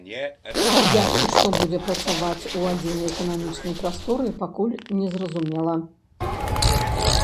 Як і што будзе працаваць у адзінай эканамічнай прасторы, пакуль не зразумела.